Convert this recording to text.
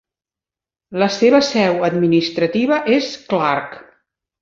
La seva seu administrativa és Clark.